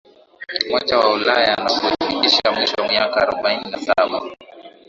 Umoja wa Ulaya na kuifikisha mwisho miaka arobaini na saba